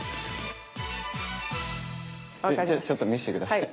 ちょっと見せて下さい。